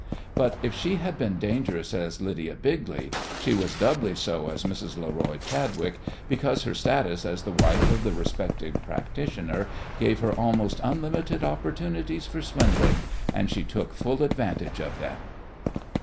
But if she had been dangerous as Lydia Bigley, she was doubly so as Mrs. Leroy Chadwick, because her status as the wife of the respected practitioner gave her almost unlimited opportunities for swindling, and she took full advantage of them.